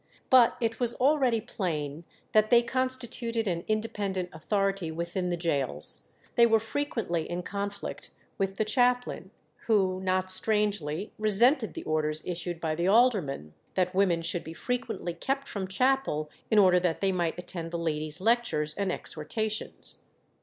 But it was already plain that they constituted an independent authority within the gaols; they were frequently in conflict with the chaplain, who not strangely resented the orders issued by the aldermen, that women should be frequently kept from chapel in order that they might attend the ladies' lectures and exhortations.